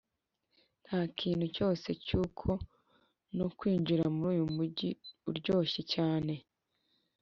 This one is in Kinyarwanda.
nta kintu cyose.cyuko no kwinjira muri uyu mujyi uryoshye.cyane